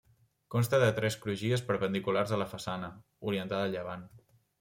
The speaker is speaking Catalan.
Consta de tres crugies perpendiculars a la façana, orientada a llevant.